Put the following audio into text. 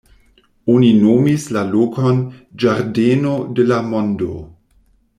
Oni nomis la lokon "Ĝardeno de la Mondo".